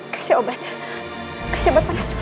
kasih obat kasih obat panas dulu